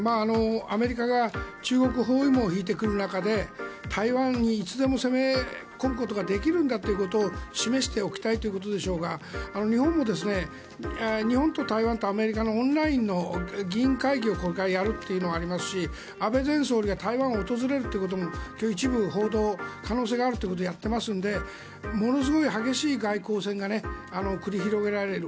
アメリカが中国包囲網を敷いてくる中で台湾にいつでも攻めることができるということを示しておきたいということでしょうが日本も日本と台湾とアメリカのオンラインの議員会議をこれからやるというのがありますし安倍前総理が台湾を訪れるということも一部、報道可能性があるということでやっていますのでものすごい激しい外交戦が繰り広げられる。